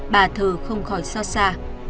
bà thờ không khỏi xa xa